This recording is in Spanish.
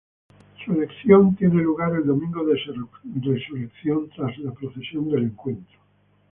Su elección tiene lugar el Domingo de Resurrección, tras la Procesión del Encuentro.